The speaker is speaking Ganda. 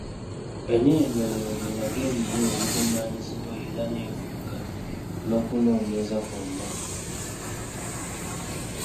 Ennyinyonnyolero y’eraga ebiwe ebikuŋŋaanyizibwa era n’efuga n’okunoonyeeza kwonna.